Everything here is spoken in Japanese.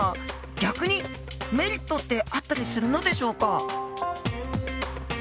逆にメリットってあったりするのでしょうか？